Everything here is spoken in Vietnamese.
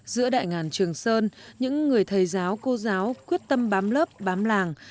giữa đại ngàn trường sơn những người thầy giáo cô giáo quyết tâm bám lớp bám làng